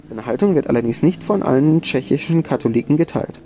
Seine Haltung wird allerdings nicht von allen tschechischen Katholiken geteilt.